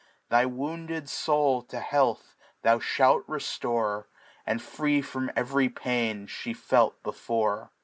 Thy wounded Soul to Health thou fhalt reftore. And free from ev'ry Pain ihe felt before.